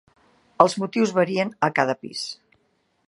Els motius varien a cada pis.